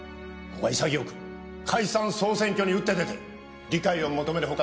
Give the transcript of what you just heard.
ここは潔く解散総選挙に打って出て理解を求める他